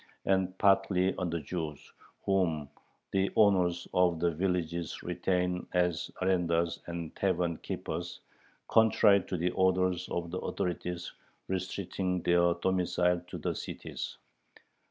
and partly on the Jews, "whom the owners [of the villages] retain as arendars and tavern keepers, contrary to the orders of the authorities restricting their domicile to the cities."